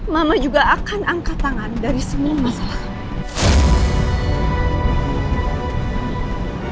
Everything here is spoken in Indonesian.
mama juga akan angkat tangan dari semua masalah